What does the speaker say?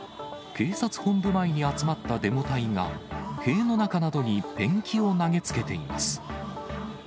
警察本部前に集まったデモ隊が、塀の中などにペンキを投げつけています。